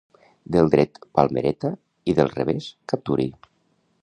Del dret palmereta i del revés capturi.